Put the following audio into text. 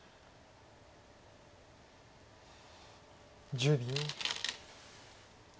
１０秒。